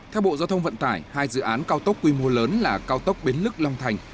theo bộ giao thông vận tải hai dự án cao tốc quy mô lớn là cao tốc bến lức long thành